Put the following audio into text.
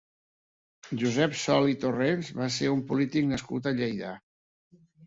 Josep Sol i Torrents va ser un polític nascut a Lleida.